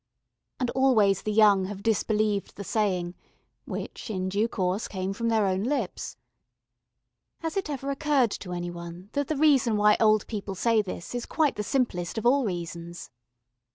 And always the young have disbelieved the saying, which in due course came from their own lips. Has it ever occurred to any one that the reason why old people say this is quite the simplest of all reasons?